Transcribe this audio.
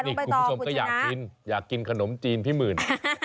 นี่คุณผู้ชมก็อยากกินอยากกินขนมจีนพี่หมื่น